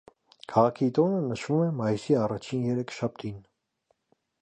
Քաղաքի տոնը նշվում է մայիսի առաջին երեքշաբթին։